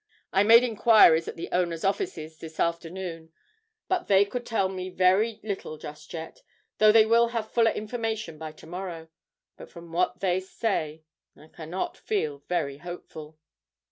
I made inquiries at the owners' offices this afternoon, but they could tell me very little just yet, though they will have fuller information by to morrow but from what they did say I cannot feel very hopeful.'